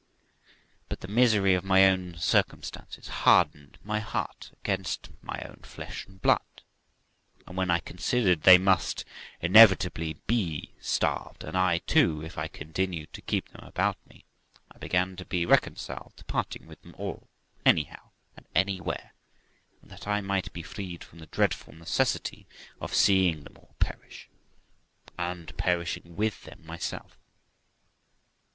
But the misery of my own circumstances hardened my heart against my own flesh and blood ; and, when I considered they must inevitably be starved, and I too, if I continued to keep them about me, I began to be reconciled to parting with them all, anyhow and anywhere, that I might be freed from the dreadful necessity of seeing them all perish, and perishing with them myself.